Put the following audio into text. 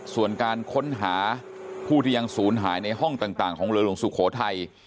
ส่วนการค้นหาผู้ที่ยังศูนย์หายในห้องต่างของเรือหลวงสุโขทัย